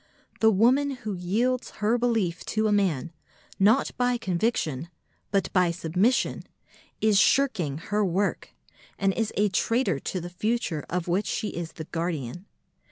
The woman who yields her belief to a man, not by conviction, but by submission, is shirking her work, and is a traitor to the future of which she is the guardian.